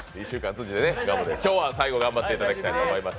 今日は最後、頑張っていただきたいと思います。